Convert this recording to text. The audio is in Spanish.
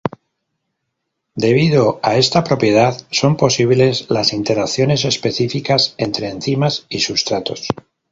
Debido a esta propiedad son posibles las interacciones específicas entre enzimas y sustratos.